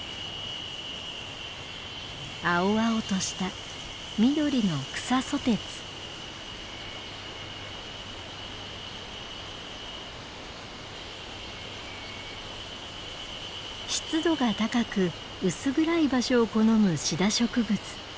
青々とした緑の湿度が高く薄暗い場所を好むシダ植物。